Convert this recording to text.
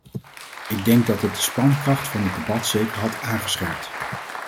Ik denk dat het de spankracht van het debat zeker had aangescherpt.